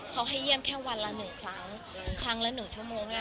เพราะให้เยี่ยมแค่วันละหนึ่งครั้งครั้งละหนึ่งชั่วโมง